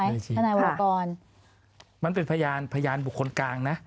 ไม่ชี้ท่านายวัลกรมันเป็นพยานพยานบุคคลกลางนะ